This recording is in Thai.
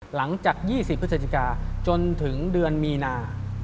หลังจาก๒๐พฤศจิกาจนถึงเดือนมีนา